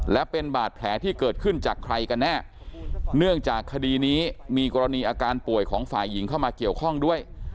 และเป็นบาดแผลที่เกิดขึ้นจากใครกันแน่เนื่องจากคดีนี้มีกรณีอาการป่วยของฝ่ายหญิงเข้ามาเกี่ยวข้องด้วย